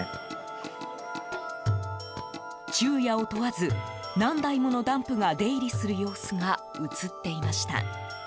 昼夜を問わず何台ものダンプが出入りする様子が映っていました。